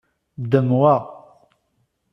Ddem wa.